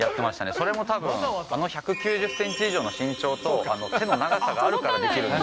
それもたぶん、あの１９０センチ以上の身長と手の長さがあるからできるので。